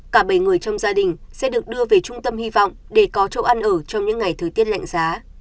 cả bảy người trong gia đình sẽ được đưa về trung tâm hy vọng để có chỗ ăn ở trong những ngày thời tiết lạnh giá